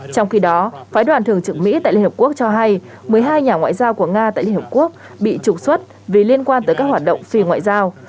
trong khi đó phái đoàn thường trực mỹ tại liên hợp quốc cho hay một mươi hai nhà ngoại giao của nga tại liên hợp quốc bị trục xuất vì liên quan tới các hoạt động phi ngoại giao